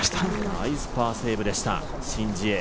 ナイスパーセーブでした、シン・ジエ。